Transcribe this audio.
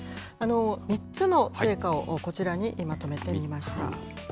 ３つの成果をこちらにまとめてみました。